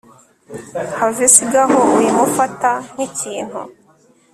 have sigaho wimufata nk'ikintu